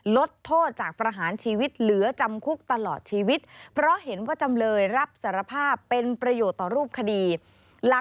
และเมื่อวานนี้สารอุทร